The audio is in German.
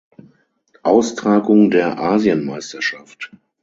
Austragung der Asienmeisterschaft.